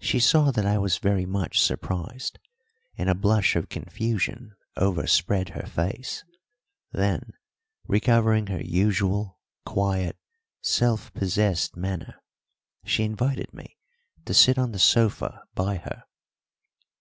She saw that I was very much surprised, and a blush of confusion overspread her face; then, recovering her usual quiet, self possessed manner, she invited me to sit on the sofa by her.